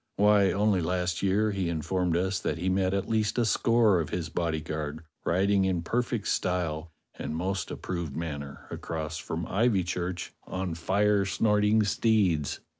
Why, only last year he in formed us that he met at least a score of his bodyguard riding in perfect style and most approved manner across from Ivychurch on fire snorting steeds.